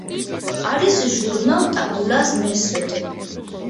არის ჟურნალ ტაბულას მესვეტე.